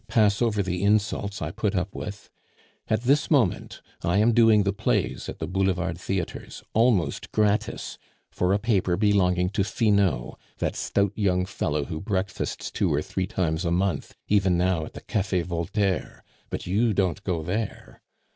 Pass over the insults I put up with. At this moment I am doing the plays at the Boulevard theatres, almost gratis, for a paper belonging to Finot, that stout young fellow who breakfasts two or three times a month, even now, at the Cafe Voltaire (but you don't go there).